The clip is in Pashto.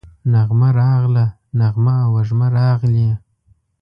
نغمه راغله، نغمه او وژمه راغلې